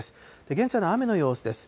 現在の雨の様子です。